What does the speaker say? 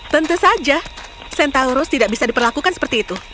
tentu saja centaloros tidak bisa diperlakukan seperti itu